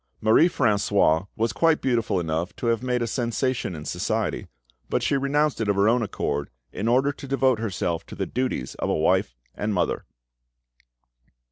Marie Francoise was quite beautiful enough to have made a sensation in society, but she renounced it of her own accord, in order to devote herself to the duties of a wife and mother.